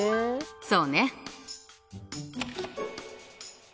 そうね。